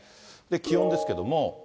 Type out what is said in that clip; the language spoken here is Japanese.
気温ですけども。